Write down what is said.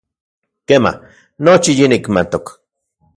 Kema, nochi yinikmatok.